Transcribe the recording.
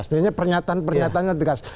sebenarnya pernyataan pernyataannya tegas